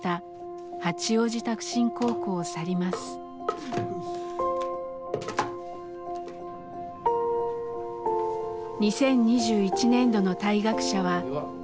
２０２１年度の退学者は３４人。